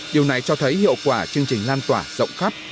điều này cho thấy hiệu quả chương trình lan tỏa rộng khắp